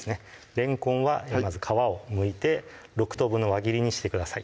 れんこんはまず皮をむいて６等分の輪切りにしてください